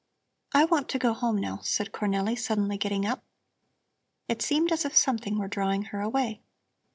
"I want to go home, now," said Cornelli, suddenly getting up. It seemed as if something were drawing her away.